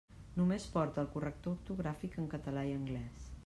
Només porta el corrector ortogràfic en català i anglès.